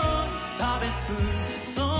食べ尽くそう